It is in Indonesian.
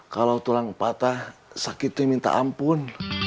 kalau tulang patah sakit tuh minta ampun